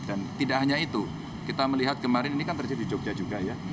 dan tidak hanya itu kita melihat kemarin ini kan terjadi di jogja juga ya